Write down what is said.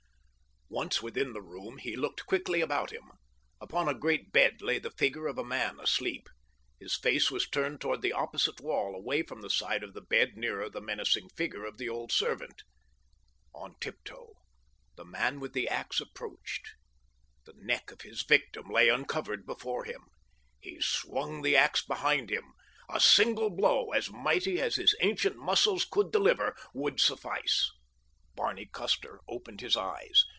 Once within the room, he looked quickly about him. Upon a great bed lay the figure of a man asleep. His face was turned toward the opposite wall away from the side of the bed nearer the menacing figure of the old servant. On tiptoe the man with the ax approached. The neck of his victim lay uncovered before him. He swung the ax behind him. A single blow, as mighty as his ancient muscles could deliver, would suffice. Barney Custer opened his eyes.